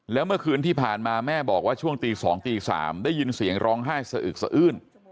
แล้วเมื่อคืนที่ผ่านมาแม่บอกว่าช่วงตี๒ตี๓ได้ยินเสียงร้องไห้สะอึกสะอื้น